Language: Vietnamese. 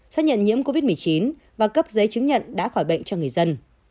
xác nhận nhiễm covid một mươi chín và cấp giấy chứng nhận đã khỏi bệnh cho người dân